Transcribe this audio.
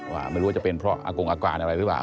ไม่รู้ว่าจะเป็นเพราะอากงอาการอะไรหรือเปล่า